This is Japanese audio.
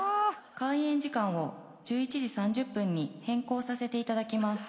開演時間を１１時３０分に変更させていただきます